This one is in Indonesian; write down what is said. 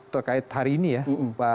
terkait hari ini ya